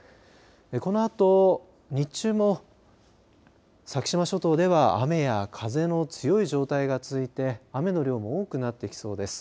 このあと、日中も先島諸島では雨や風の強い状態が続いて雨の量も多くなってきそうです。